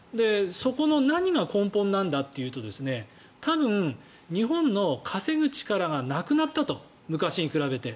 そこの何が根本なんだというと多分、日本の稼ぐ力がなくなったと、昔に比べて。